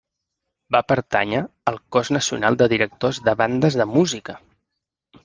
Va pertànyer al Cos Nacional de Directors de Bandes de Música.